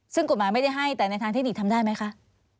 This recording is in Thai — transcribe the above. ซึ่งกฎหมายไม่ได้ให้แต่ในทางเทคนิคทำได้ไหมคะ